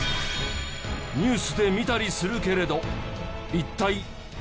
ニュースで見たりするけれど一体何が起きてるの？